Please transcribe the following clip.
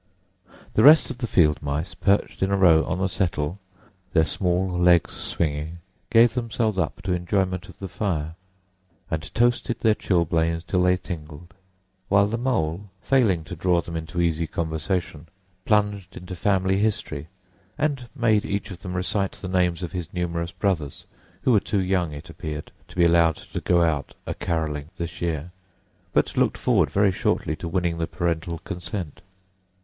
The rest of the field mice, perched in a row on the settle, their small legs swinging, gave themselves up to enjoyment of the fire, and toasted their chilblains till they tingled; while the Mole, failing to draw them into easy conversation, plunged into family history and made each of them recite the names of his numerous brothers, who were too young, it appeared, to be allowed to go out a carolling this year, but looked forward very shortly to winning the parental consent.